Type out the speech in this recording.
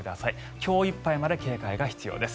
今日いっぱいまで警戒が必要です